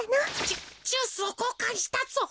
ジュースをこうかんしたぞ。